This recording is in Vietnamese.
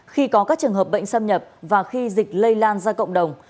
khi có các trường hợp bệnh xâm nhập và khi dịch lây lan ra cộng đồng